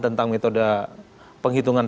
tentang metode penghitungan